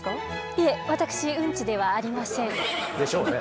いえ私ウンチではありません。でしょうね。